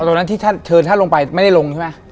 ตรงนั้นที่ท่านเชิญท่านลงไปไม่ได้ลงใช่ไหม